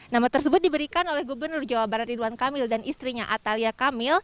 nama tersebut diberikan oleh gubernur jawa barat ridwan kamil dan istrinya atalia kamil